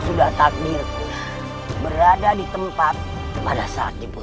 lalu kami kemari menyusulkan dha